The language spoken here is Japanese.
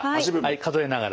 数えながら。